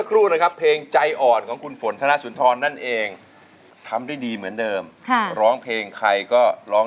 ร้องได้ให้ร้าง